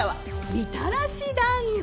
みたらし団子！